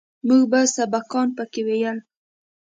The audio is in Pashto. موږ به سبقان پکښې ويل.